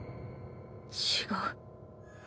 違う。